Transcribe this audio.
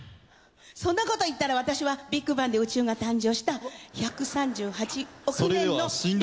そんなこと言ったら私はビッグバンで宇宙が誕生した１３８億年の歴史のなか。